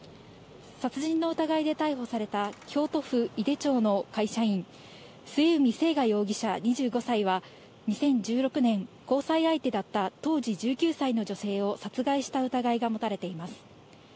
殺人の疑いで逮捕された京都府井手町の会社員・末海征河容疑者、２５歳は２０１６年、交際相手だった当時１９歳の女性を殺害した疑いが持たれています。